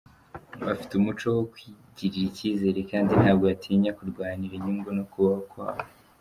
Bafite umuco wo Kwigirira icyizere kandi ntabwo batinya kurwanira inyungu no kubaho kwabo.